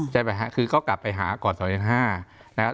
ใช่ไหมฮะคือก็กลับไปหาก่อนสองสี่เจ็ดห้านะครับ